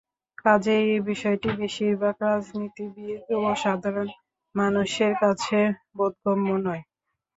কাজেই এ বিষয়টি বেশির ভাগ রাজনীতিবিদ ও সাধারণ মানুষের কাছে বোধগম্য নয়।